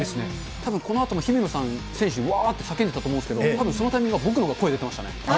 たぶんこのあとも姫野選手、わーって叫んでたと思うんですけれども、たぶん、そのタイミングは、僕のが声出てましたね。